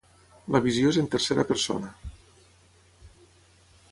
La visió és en tercera persona.